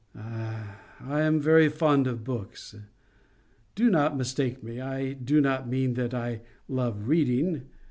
I am very fond of books. Do not mistake me. I do not mean that I love reading.